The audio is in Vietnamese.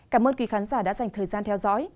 cảm ơn quý khán giả đã dành thời gian theo dõi